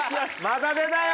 また出たよ！